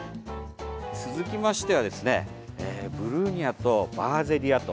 続きましてはブルニアとバーゼリア。